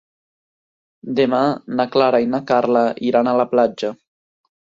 Demà na Clara i na Carla iran a la platja.